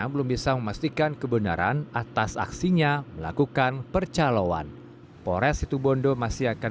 belum bisa memastikan kebenaran atas aksinya melakukan percaloan pores situbondo masih akan